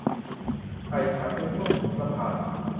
ไก่ผัดเม็ดมะม่วงหิมพานต์